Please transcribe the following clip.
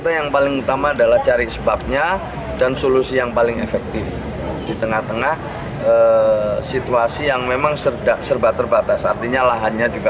tidak semakin parah